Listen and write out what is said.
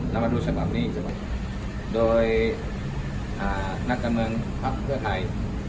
มาดูฉบับนี้ฉบับโดยนักการเมืองภักดิ์เพื่อไทย